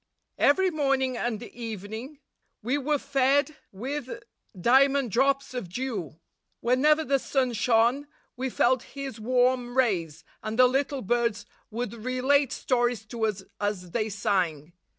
Every morning and evening we were fed with diamond drops of dew. Whenever the sun shone, we felt his warm rays, and the little birds would relate stories to us as they sang.